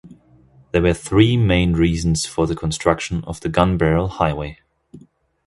There were three main reasons for the construction of the Gunbarrel Highway.